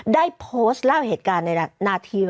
ได้โพสต์เล่าเหตุการณ์ในนาที